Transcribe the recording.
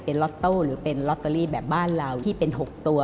เป็นล็อตโต้หรือเป็นลอตเตอรี่แบบบ้านเราที่เป็น๖ตัว